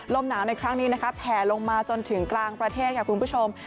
ลมหนาวในครั้งนี้นะคะแผ่ลงมาจนถึงกลางประเทศค่ะคุณผู้ชม